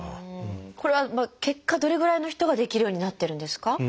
これは結果どれぐらいの人ができるようになってるんですか？